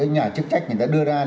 nhà chức trách người ta đưa ra